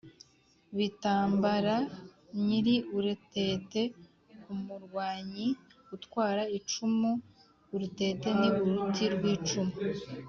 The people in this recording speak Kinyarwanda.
Bitambara nyiri urutete: umurwanyi utwara icumu. Urutete ni uruti rw’icumu,